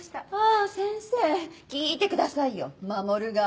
あ先生聞いてくださいよ守が。